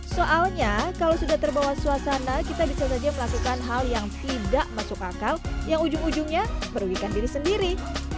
soalnya kalau sudah terbawa suasana kita bisa saja melakukan hal yang tidak masuk akal yang ujung ujungnya merugikan diri sendiri